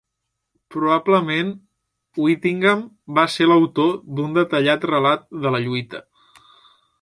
Probablement, Whittingham va ser l'autor d'un detallat relat de la lluita.